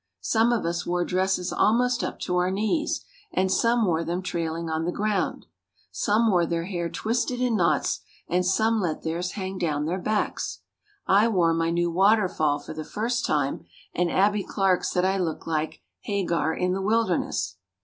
Some of us wore dresses almost up to our knees and some wore them trailing on the ground. Some wore their hair twisted in knots and some let theirs hang down their backs. I wore my new waterfall for the first time and Abbie Clark said I looked like "Hagar in the Wilderness."